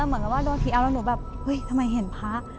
เหมือนกับว่าโดนผีเอาแล้วหนูแบบเฮ้ยทำไมเห็นพระ